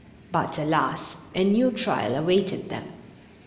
But, alas! a new trial awaited them.